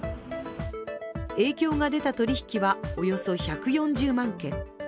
影響が出た取り引きはおよそ１４０万件。